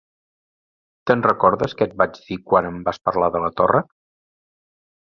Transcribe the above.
- Te'n recordes, que et vaig dir quan em vas parlar de la torra?